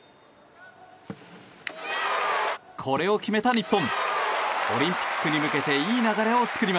これを決めた日本。